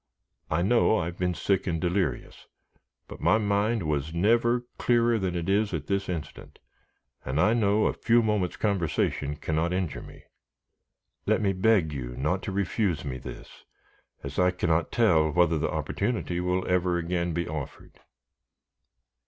I know I have been sick and delirious, but my mind was never clearer than it is this instant, and I know a few moments' conversation cannot injure me. Let me beg you not to refuse me this, as I cannot tell whether the opportunity will ever again be offered."